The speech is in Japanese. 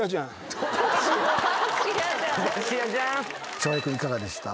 翔平君いかがでした？